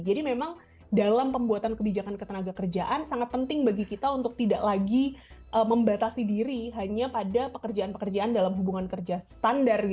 jadi memang dalam pembuatan kebijakan ketenaga kerjaan sangat penting bagi kita untuk tidak lagi membatasi diri hanya pada pekerjaan pekerjaan dalam hubungan kerja standar